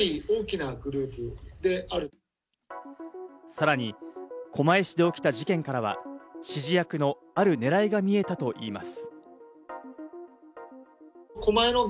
さらに狛江市で起きた事件からは、指示役のある狙いが見えたといいます。